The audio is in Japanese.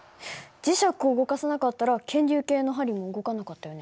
磁石を動かさなかったら検流計の針も動かなかったよね。